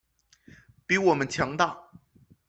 比我们强大